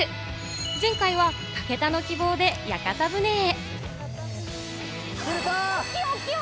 前回は武田の希望で屋形船へ。